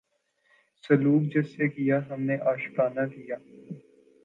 سلوک جس سے کیا ہم نے عاشقانہ کیا